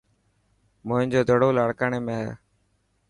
موهن جو دڙو لاڻڪاڻي ۾ هي.